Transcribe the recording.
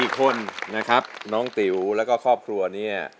อีกคนนะครับน้องติ๋วแล้วก็ครอบครัวเนี่ย